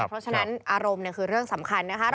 เพราะฉะนั้นอารมณ์คือเรื่องสำคัญนะคะ